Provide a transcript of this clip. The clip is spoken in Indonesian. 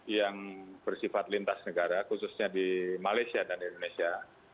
yang bersifat lintas negara khususnya di malaysia dan indonesia